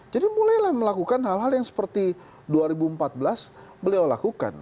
jadi mulailah melakukan hal hal yang seperti dua ribu empat belas beliau lakukan